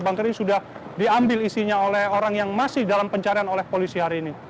banker ini sudah diambil isinya oleh orang yang masih dalam pencarian oleh polisi hari ini